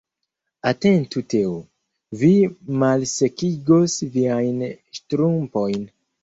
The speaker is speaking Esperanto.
Atentu Teo, vi malsekigos viajn ŝtrumpojn.